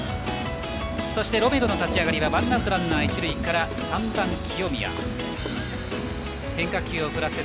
そしてロメロの立ち上がりはワンアウトランナー、一塁から３番清宮です。